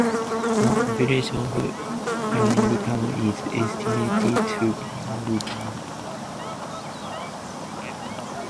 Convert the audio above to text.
The population of Lyari Town is estimated to be nearly one million.